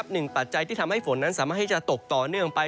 ปัจจัยที่ทำให้ฝนนั้นสามารถที่จะตกต่อเนื่องไป